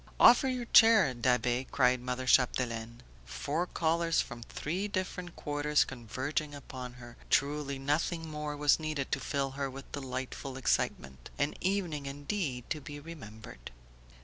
"Offer your chair, Da'Be!" cried mother Chapdelaine. Four callers from three different quarters converging upon her, truly nothing more was needed to fill her with delightful excitement. An evening indeed to be remembered!